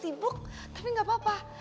sibuk tapi gak apa apa